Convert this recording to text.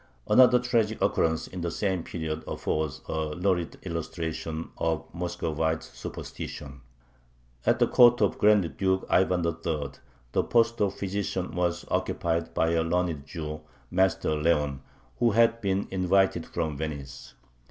Another tragic occurrence in the same period affords a lurid illustration of Muscovite superstition. At the court of Grand Duke Ivan III. the post of physician was occupied by a learned Jew, Master Leon, who had been invited from Venice.